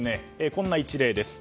こんな一例です。